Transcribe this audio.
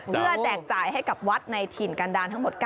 เพื่อแจกจ่ายให้กับวัดในถิ่นกันดาลทั้งหมด๙